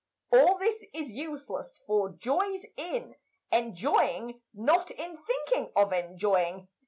All this is useless, for joy's in Enjoying, not in thinking of enjoying.